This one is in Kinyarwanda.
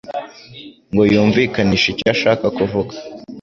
ngo yumvikanishe icyo ashaka kuvuga